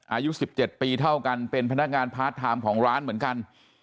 อายุ๑๗ปีเท่ากันเป็นพนักงานพาร์ทไทม์ของร้านเหมือนกัน